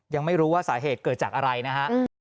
ยังไม่รู้ว่าสาเหตุเกิดจากอะไรนะฮะ